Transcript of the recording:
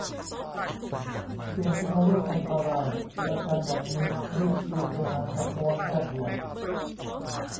เสี่ยงเป็นโรคอันตราย เจออาการแบบนี้รีบจูงไปหาสัตวแพทย์ด่วน